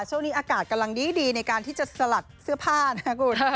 ช่วงนี้อากาศกำลังดีในการที่จะสลัดเสื้อผ้านะครับคุณ